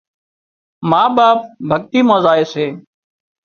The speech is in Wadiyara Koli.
ما ٻاپ ڀڳتي مان زائي سي